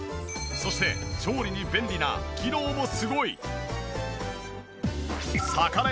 そして調理に便利な機能もすごい！